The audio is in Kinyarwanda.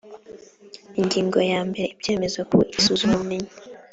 ingingo ya mbere ibyemezo ku isuzumabumenyi